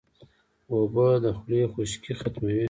اوبه د خولې خشکي ختموي